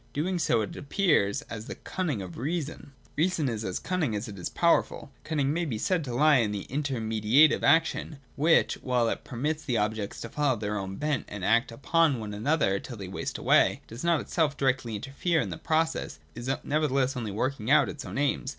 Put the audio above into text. Doing so, it appears as the Cunning of reason. , Reason is as cunning as it is powerful. Cunning may be said to lie in the inter mediative action which, while it permits the objects to follow their own bent and act upon one another till they waste away, and does not itself directly interfere in the process, is nevertheless only work ing out its own aims.